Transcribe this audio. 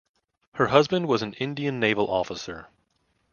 Her husband was an Indian Navy officer.